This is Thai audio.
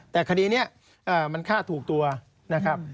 แต่คดีนี้มันฆ่าถูกตัวนะครับ